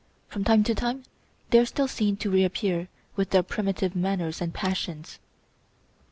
From time to time they are still seen to reappear with their primitive manners and passions.